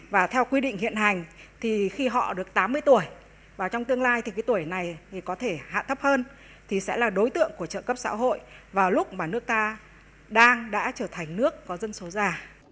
và theo quy định hiện hành thì khi họ được tám mươi tuổi và trong tương lai thì cái tuổi này có thể hạ thấp hơn thì sẽ là đối tượng của trợ cấp xã hội vào lúc mà nước ta đang đã trở thành nước có dân số già